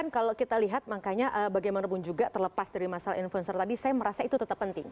kalau kita lihat makanya bagaimanapun juga terlepas dari masalah influencer tadi saya merasa itu tetap penting